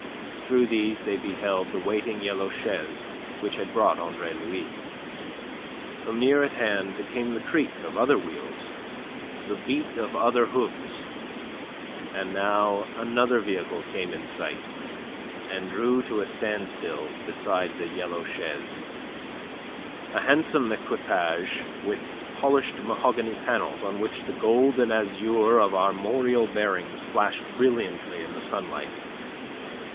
Through these they beheld the waiting yellow chaise which had brought Andre Louis. From near at hand came the creak of other wheels, the beat of other hooves, and now another vehicle came in sight, and drew to a stand still beside the yellow chaise a handsome equipage with polished mahogany panels on which the gold and azure of armorial bearings flashed brilliantly in the sunlight.